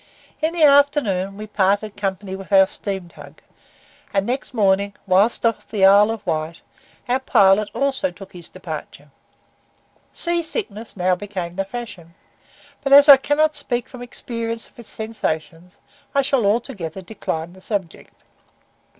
In the afternoon we parted company with our steam tug, and next morning, whilst off the Isle of Wight, our pilot also took his departure. Sea sickness now became the fashion, but, as I cannot speak from experience of its sensations, I shall altogether decline the subject.